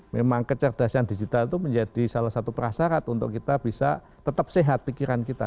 memang kecerdasan digital itu menjadi salah satu prasarat untuk kita bisa tetap sehat pikiran kita